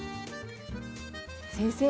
先生